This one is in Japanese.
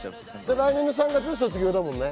来年の３月で卒業だもんね。